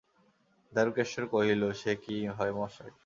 দারুকেশ্বর কহিল, সে কি হয় মশায়!